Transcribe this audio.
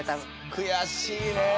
悔しいね。